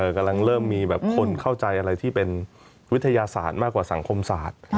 กำลังเริ่มมีคนเข้าใจอะไรที่เป็นวิทยาศาสตร์มากกว่าสังคมศาสตร์